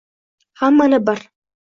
Hammani bir